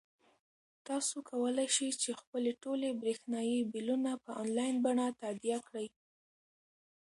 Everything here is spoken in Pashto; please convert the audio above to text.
تاسو کولای شئ چې خپلې ټولې برېښنايي بلونه په انلاین بڼه تادیه کړئ.